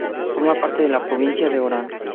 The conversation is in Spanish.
Forma parte de la provincia de Orán.